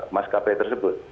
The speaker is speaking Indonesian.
mas kp tersebut